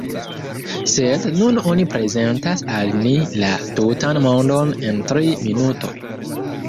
Sed nun oni prezentas al ni la tutan mondon en tri minutoj.